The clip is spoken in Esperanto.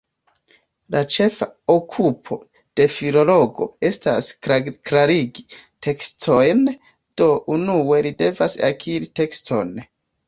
La ĉefa okupo de filologo estas klarigi tekstojn, do, unue, li devas akiri tekston.